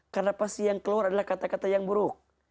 karena pasti yang keluar adalah kata kata yang buruk